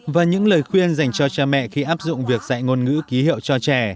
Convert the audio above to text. và những lời khuyên dành cho cha mẹ khi áp dụng việc dạy ngôn ngữ ký hiệu cho trẻ